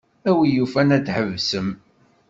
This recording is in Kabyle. A win yufan ad tḥebsem.